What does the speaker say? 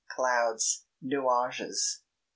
CLOUDS (Nuages) 2.